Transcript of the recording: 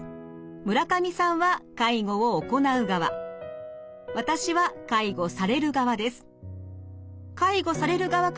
村上さんは介護を行う側私は介護される側です。